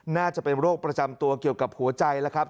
น่าจะเป็นโรคประจำตัวเกี่ยวกับหัวใจแล้วครับ